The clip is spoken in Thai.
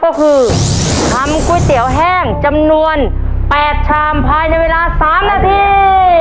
ก็คือทำก๋วยเตี๋ยวแห้งจำนวน๘ชามภายในเวลา๓นาที